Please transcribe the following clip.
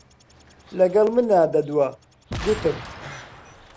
لەگەڵ منا دەدوا، گوتم: